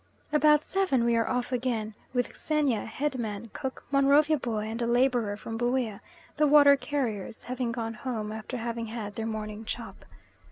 About seven we are off again, with Xenia, Head man, Cook, Monrovia boy and a labourer from Buea the water carriers have gone home after having had their morning chop.